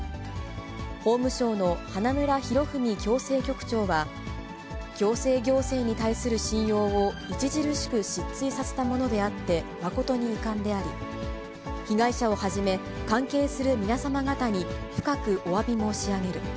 法務省の花村博文矯正局長は、矯正行政に対する信用を著しく失墜させたものであって、誠に遺憾であり、被害者をはじめ、関係する皆様方に深くおわび申し上げる。